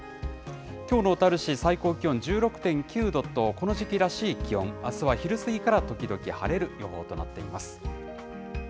きょうの小樽市、最高気温１６．９度と、この時期らしい気温、あすは昼過ぎから時々、晴れる予報となっています。